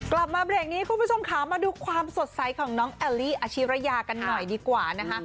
กลับมาเบรกนี้คุณผู้ชมค่ะมาดูความสดใสของน้องแอลลี่อาชิระยากันหน่อยดีกว่านะคะ